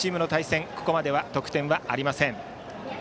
ここまでは得点はありません。